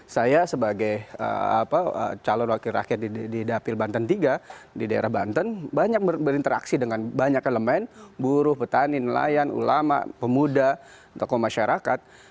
saya sebagai calon wakil rakyat di dapil banten iii di daerah banten banyak berinteraksi dengan banyak elemen buruh petani nelayan ulama pemuda tokoh masyarakat